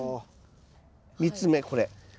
３つ目これ。